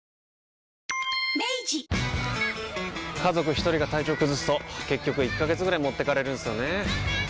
一人が体調崩すと結局１ヶ月ぐらい持ってかれるんすよねー。